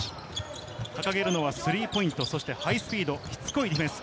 掲げるのはスリーポイント、そしてハイスピード、しつこいディフェンス。